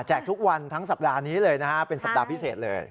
ทุกวันทั้งสัปดาห์นี้เลยนะฮะเป็นสัปดาห์พิเศษเลย